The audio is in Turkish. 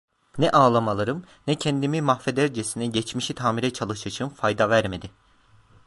Ne ağlamalarım, ne kendimi mahvedercesine geçmişi tamire çalışışım fayda vermedi.